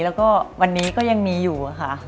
แล้วก็วันนี้ก็ยังมีอยู่ค่ะ